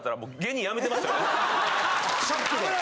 ショックで。